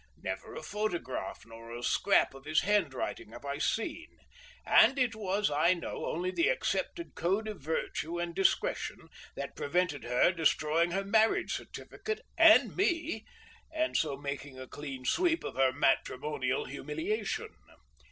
Never a photograph nor a scrap of his handwriting have I seen; and it was, I know, only the accepted code of virtue and discretion that prevented her destroying her marriage certificate and me, and so making a clean sweep of her matrimonial humiliation.